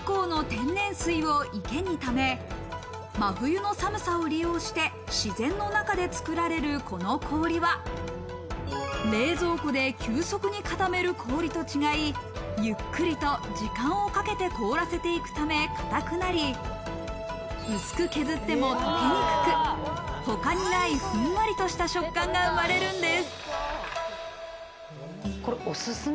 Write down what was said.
日光の天然水を池にため、真冬の寒さを利用して自然の中で作られるこの氷は冷蔵庫で急速に固める氷と違い、ゆっくりと時間をかけて凍らせていくため固くなり、薄く削っても溶けにくく、他にないふんわりとした食感が生まれるんです。